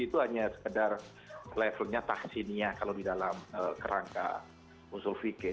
itu hanya sekedar levelnya tahsinia kalau di dalam kerangka usul fikir